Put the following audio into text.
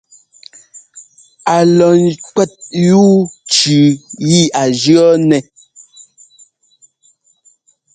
A lɔ kwɛ́t yú cʉʉ yi a jʉ̈ nɛ́.